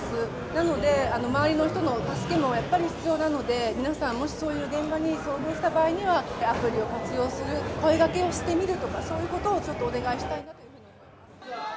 なので、周りの人の助けもやっぱり必要なので、皆さん、もしそういう現場に遭遇した場合には、アプリを活用する声がけをしてみるとか、そういうことをちょっとお願いしたいなというふうに思います。